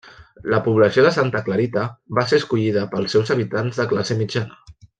La població de Santa Clarita va ser escollida pels seus habitants de classe mitjana.